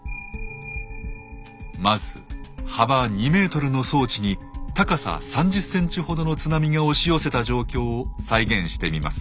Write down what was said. まず幅２ｍの装置に高さ３０センチほどの津波が押し寄せた状況を再現してみます。